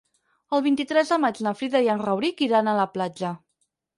El vint-i-tres de maig na Frida i en Rauric iran a la platja.